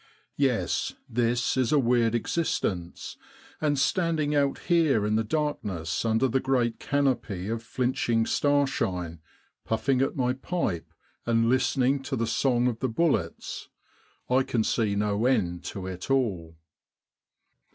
" Yes : this is a weird existence; and standing out here in the darkness under the great canopy of flinching starshine, puffing at my pipe and listening to the song of the bullets, I can see no end to it all."